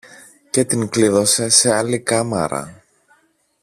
και την κλείδωσε σε άλλη κάμαρα.